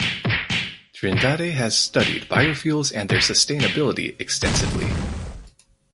Trindade has studied biofuels and their sustainability extensively.